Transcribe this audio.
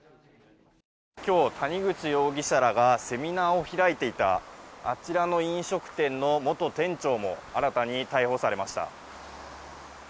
今日、谷口容疑者らがセミナーを開いていたあちらの飲食店の元店長も新たに逮捕されました。